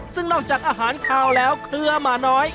ซึ่งนอกจากอาหารขาวแล้วเครือหมาน้อย